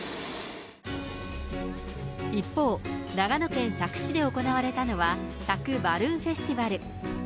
一方、長野県佐久市で行われたのは、佐久バルーンフェスティバル。